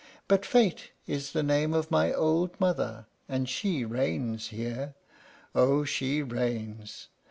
But Fate is the name of my old mother, and she reigns here. Oh, she reigns!